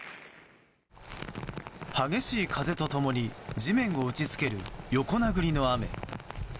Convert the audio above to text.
激しい風と共に地面を打ち付ける横殴りの雨。